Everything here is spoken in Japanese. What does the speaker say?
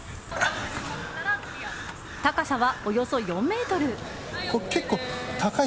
高さは、およそ４ｍ！